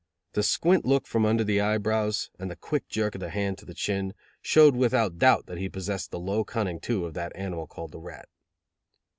The squint look from under the eye brows, and the quick jerk of the hand to the chin, showed without doubt that he possessed the low cunning too of that animal called the rat.